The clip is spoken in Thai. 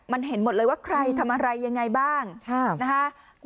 มันเห็นหมดเลยว่าใครทำอะไรยังไงบ้างนะคะ